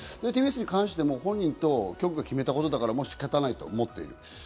ＴＢＳに関しても本人と決めたことだから仕方ないと思っている。